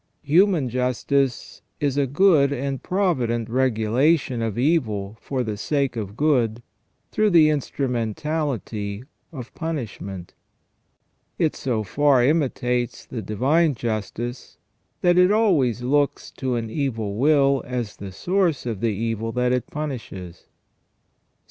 Human justice is a good and pro vident regulation of evil for the sake of good through the instru mentality of punishment. It so far imitates the divine justice that it always looks to an evil will as the source of the evil that it punishes. St.